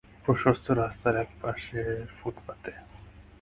প্রশস্ত রাস্তার এক পাশের ফুটপাতে।